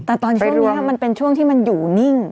แต่ตอนช่วงนี้มันเป็นช่วงที่มันอยู่นิ่ง